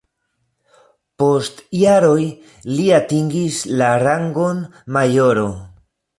Post jaroj li atingis la rangon majoro.